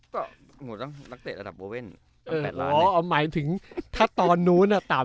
ก็หงุดรักเตะระดับโวเว่น๘ล้านพรหมายถึงถ้าตอนนู้นอะต่ำ